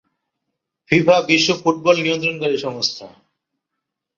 FIFA বিশ্ব football নিয়ন্ত্রণকারী সংস্থা।